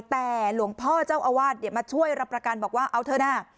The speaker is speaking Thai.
แต่หลวงพ่อเจ้าอาวาสมาช่วยรับประกันบอกว่าเอาเถอะนะ